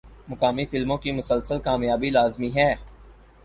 مقامی فلموں کی مسلسل کامیابی لازمی ہے۔